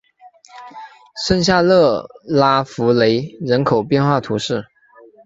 圣夏勒拉福雷人口变化图示